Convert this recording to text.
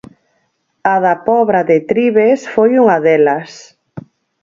A da Pobra de Trives foi unha delas.